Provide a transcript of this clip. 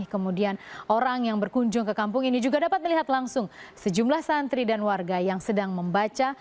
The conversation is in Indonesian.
kemudian orang yang berkunjung ke kampung ini juga dapat melihat langsung sejumlah santri dan warga yang sedang membaca